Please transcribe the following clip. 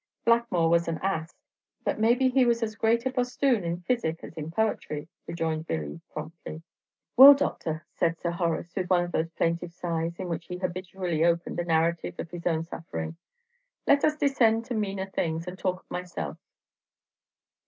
"Blackmoor was an ass; but maybe he was as great a bosthoon in physic as in poetry," rejoined Billy, promptly. "Well, Doctor," said Sir Horace, with one of those plaintive sighs in which he habitually opened the narrative of his own suffering, "let us descend to meaner things, and talk of myself.